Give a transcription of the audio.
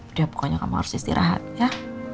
udah pokoknya kamu harus istirahat ya